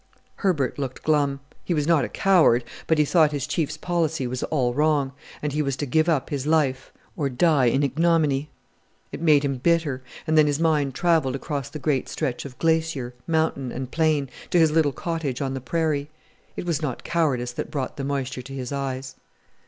Herbert looked glum: he was not a coward, but he thought his Chief's policy was all wrong, and he was to give up his life or die in ignominy. It made him bitter and then his mind travelled across the great stretch of glacier, mountain, and plain, to his little cottage on the Prairie: it was not cowardice that brought the moisture to his eyes!